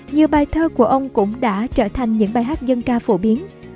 nhiều bài thơ của ông cũng đã trở thành những bài hát dân ca phổ biến